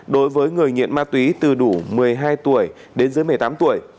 đối với người nghiện ma túy từ đủ một mươi hai tuổi đến dưới một mươi tám tuổi